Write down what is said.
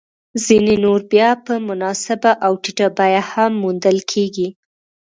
ځیني نور بیا په مناسبه او ټیټه بیه هم موندل کېږي